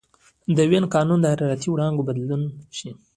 د وین قانون د حرارتي وړانګو بدلون ښيي.